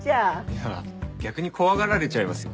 いや逆に怖がられちゃいますよ。